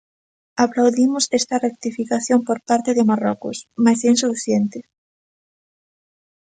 Aplaudimos esta rectificación por parte de Marrocos, mais é insuficiente.